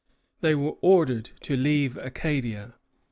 They were ordered to leave Acadia.